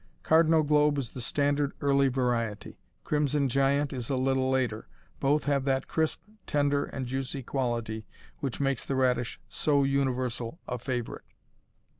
Cardinal Globe is the standard early variety. Crimson Giant is a little later. Both have that crisp, tender, and juicy quality which makes the radish so universal a favorite.